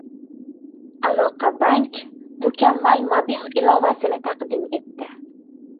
«Aloqabank» mukammal mobil ilovasini taqdim etdi